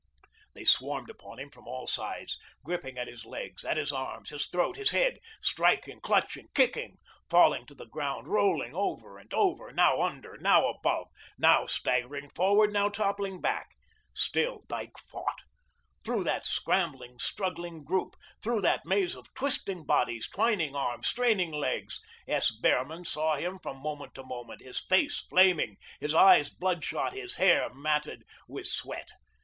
They swarmed upon him from all sides, gripping at his legs, at his arms, his throat, his head, striking, clutching, kicking, falling to the ground, rolling over and over, now under, now above, now staggering forward, now toppling back. Still Dyke fought. Through that scrambling, struggling group, through that maze of twisting bodies, twining arms, straining legs, S. Behrman saw him from moment to moment, his face flaming, his eyes bloodshot, his hair matted with sweat.